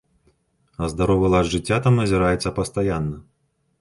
А здаровы лад жыцця там назіраецца пастаянна.